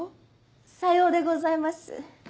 さようでございます。